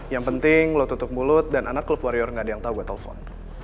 yang penting lu tutup mulut dan anak klub warrior ga ada yang tau gua telepon